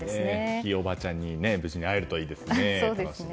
ひいおばあちゃんに無事に会えるといいですね。